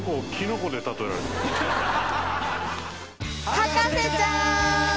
『博士ちゃん』！